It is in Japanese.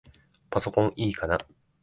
パソコンいいかな？